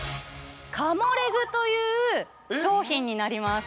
カモレグという商品になります。